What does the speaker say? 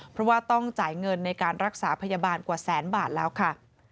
เพราะว่าต้องจ่ายเงินในการรักษาพยาบาลกว่าแสนบาทแล้วค่ะ